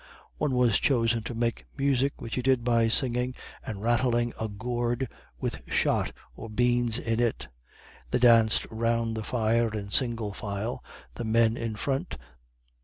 One was chosen to make music, which he did by singing and rattling a gourd with shot, or beans in it. They danced round the fire in single file, the men in front.